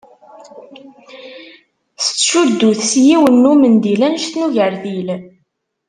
Tettcuddu-t s yiwen n umendil annect n ugertil.